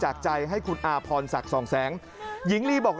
และก็มีการกินยาละลายริ่มเลือดแล้วก็ยาละลายขายมันมาเลยตลอดครับ